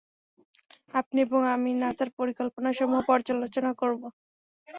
আপনি এবং আমি নাসার পরিকল্পনাসমূহ পর্যালোচনা করব।